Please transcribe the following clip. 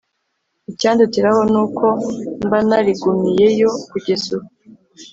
Icyandutiraho ni uko mba narigumiyeyo kugeza ubu.